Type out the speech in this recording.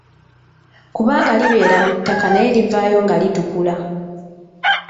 Kubanga libeera mu ttaka naye livaayo nga litukula.